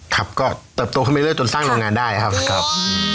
ครับก็เติบโตขึ้นไปเรื่อยจนสร้างโรงงานได้ครับครับ